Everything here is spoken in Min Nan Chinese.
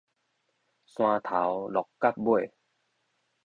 山頭鹿角尾